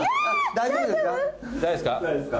大丈夫ですか？